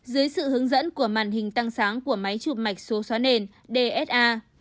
dưới sự hướng dẫn của màn hình tăng sáng của máy chụp mạch số xóa nền dsa